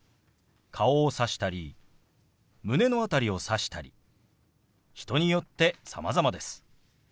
顔をさしたり胸の辺りをさしたり人によってさまざまです。